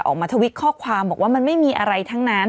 ออกมาทวิตข้อความบอกว่ามันไม่มีอะไรทั้งนั้น